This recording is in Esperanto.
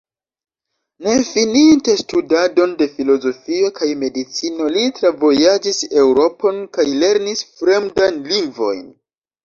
Ne fininte studadon de filozofio kaj medicino, li travojaĝis Eŭropon kaj lernis fremdajn lingvojn.